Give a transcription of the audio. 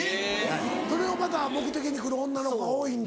それをまた目的に来る女の子が多いんだ。